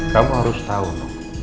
kamu harus tahu noh